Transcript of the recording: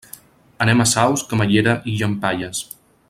Anem a Saus, Camallera i Llampaies.